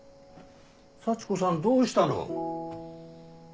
幸子さんどうしたの？